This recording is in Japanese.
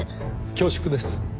恐縮です。